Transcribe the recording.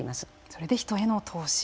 それで人への投資。